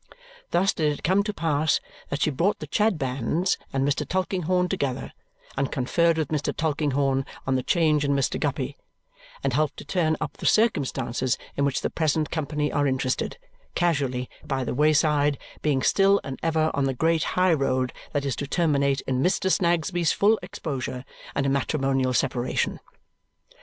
Thus did it come to pass that she brought the Chadbands and Mr. Tulkinghorn together, and conferred with Mr. Tulkinghorn on the change in Mr. Guppy, and helped to turn up the circumstances in which the present company are interested, casually, by the wayside, being still and ever on the great high road that is to terminate in Mr. Snagsby's full exposure and a matrimonial separation.